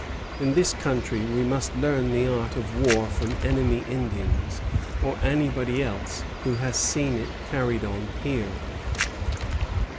In this country we must learn the art of war from enemy Indians, or anybody else who has seen it carried on here."